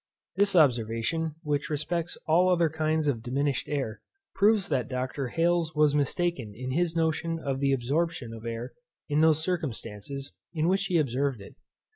This observation, which respects all other kinds of diminished air, proves that Dr. Hales was mistaken in his notion of the absorption of air in those circumstances in which he observed it.